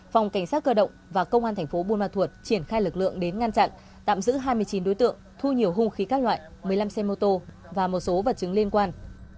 phòng cảnh sát cơ động và công an thành phố buôn ma thuột triển khai lực lượng đến ngăn chặn tạm giữ hai mươi chín đối tượng thu nhiều hung khí các loại một mươi năm xe mô tô và một số vật chứng liên quan